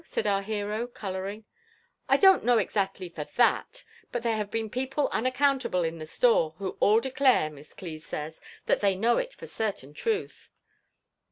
said our hero, colouring. " I don't know exactly for that ; but there have been people unac countable in the store, who all declare. Miss Cli says, that they know it for certain truth."